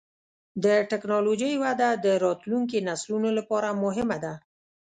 د ټکنالوجۍ وده د راتلونکي نسلونو لپاره مهمه ده.